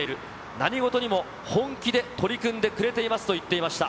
何事にも本気で取り組んでくれていますと言っていました。